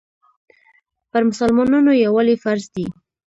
پر مسلمانانو یووالی فرض دی.